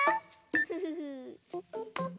フフフ。